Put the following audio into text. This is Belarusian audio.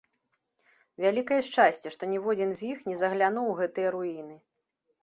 Вялікае шчасце, што ніводзін з іх не заглянуў у гэтыя руіны.